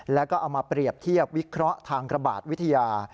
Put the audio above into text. แล้วก็เอามาเปรียบเทียบวิเคราะห์ทางระบาดวิทยา